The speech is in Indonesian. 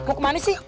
mau ke mana sih